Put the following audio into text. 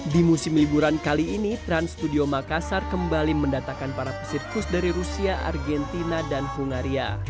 di musim liburan kali ini trans studio makassar kembali mendatangkan para pesirkus dari rusia argentina dan hungaria